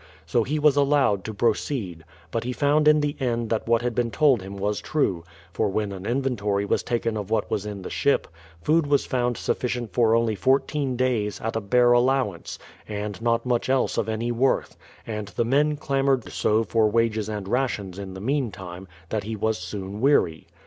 So he was allowed to proceed; but he found in the end that what had been told him was true; for when an inventory was taken of what was in the ship, food was found sufficient for only fourteen days, at a bare allowance, and not much else of any worth, and the men clamoured so for wages and rations in the meantime, that he was soon weary.